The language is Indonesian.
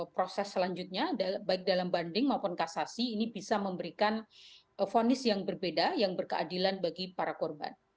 proses selanjutnya baik dalam banding maupun kasasi ini bisa memberikan fonis yang berbeda yang berkeadilan bagi para korban